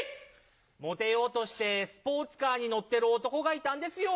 モテようとしてスポーツカーに乗ってる男がいたんですよ。